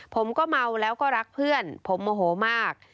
ผมก็เมาแล้วก็รักเพื่อนผมโมโหมาก